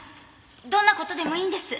どんな事でもいいんです。